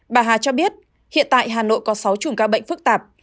bà hà cho biết hiện tại hà nội có sáu chùm ca bệnh phức tạp